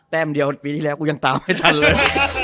แม้มเดียวปีที่แล้วกูยังตามไม่ทันเลย